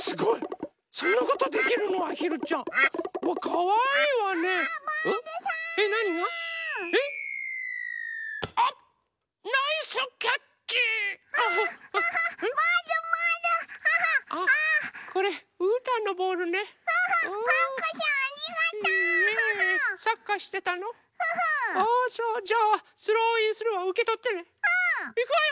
いくわよ。